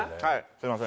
すみません。